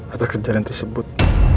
atas kejadian tersebut